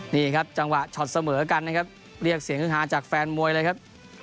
นี่ครับจังหวะช็อตเสมอกันนะครับเรียกเสียงฮือฮาจากแฟนมวยเลยครับ